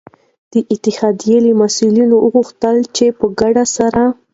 د اتحادیو له مسؤلینو وغوښتل چي په ګډه سره